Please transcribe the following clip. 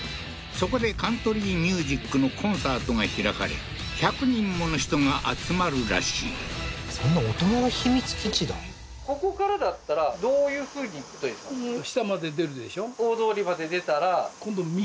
そこでカントリーミュージックのコンサートが開かれ１００人もの人が集まるらしいそんな大人の秘密基地だはいそしてほうーあっはあはあはあはあだからあっあっ